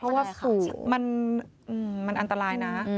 เพราะว่ามันอันตรายนะ